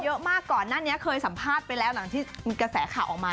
เยอะมากก่อนหน้านี้เคยสัมภาษณ์ไปแล้วหลังที่มีกระแสข่าวออกมา